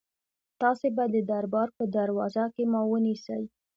تاسي به د دربار په دروازه کې ما ونیسئ.